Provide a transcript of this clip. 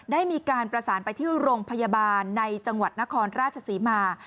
ได้มีการประสานไปที่โรงพยาบาลในจังหวัดนครราชศรีมา